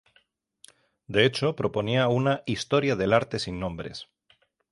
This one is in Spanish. De hecho, proponía una "historia del arte sin nombres".